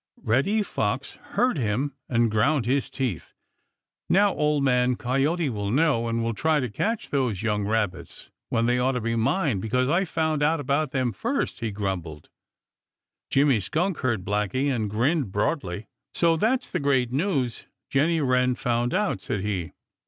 Reddy Fox heard him and ground his teeth. "Now Old Man Coyote will know and will try to catch those young Rabbits, when they ought to be mine because I found out about them first," he grumbled. Jimmy Skunk heard Blacky and grinned broadly. "So that's the great news Jenny Wren found out!" said he.